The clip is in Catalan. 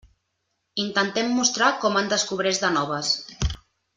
Intentem mostrar com en descobreix de noves.